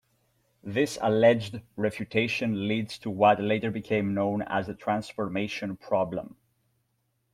This alleged refutation leads to what later became known as the transformation problem.